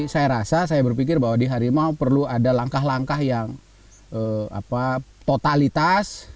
saya rasa saya berpikir bahwa di harimau perlu ada langkah langkah yang totalitas